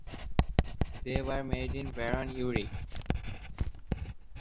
They were made in Vernon, Eure.